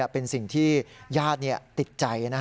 เป็นสิ่งที่ญาติติดใจ